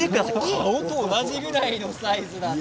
顔と同じくらいのサイズ。